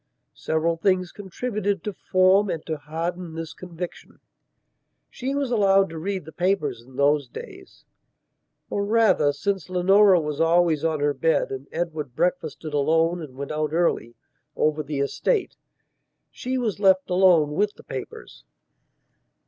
Several things contributed to form and to harden this conviction. She was allowed to read the papers in those daysor, rather, since Leonora was always on her bed and Edward breakfasted alone and went out early, over the estate, she was left alone with the papers.